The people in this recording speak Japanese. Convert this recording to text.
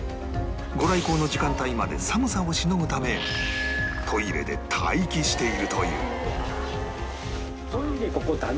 御来光の時間帯まで寒さをしのぐためトイレで待機しているという